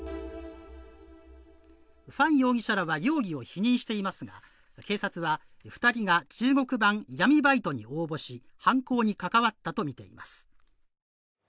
ファン容疑者らは容疑を否認していますが警察は２人が中国版闇バイトに応募し犯行に関わったとみています。